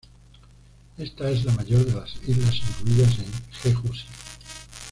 Esta es la mayor de las islas incluidas en Jeju-si.